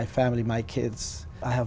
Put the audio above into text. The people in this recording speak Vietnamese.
và chắc chắn